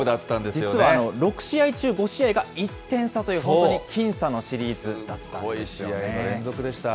実は６試合中５試合が１点差という、本当に僅差のシリーズだすごい試合の連続でした。